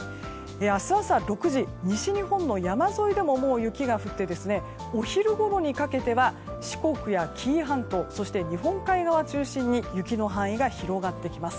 明日朝６時西日本の山沿いでももう雪が降ってお昼ごろにかけては四国や紀伊半島そして日本海側中心に雪の範囲が広がってきます。